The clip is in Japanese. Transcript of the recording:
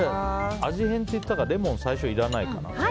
味変って言ってたから最初はレモン、いらないかな。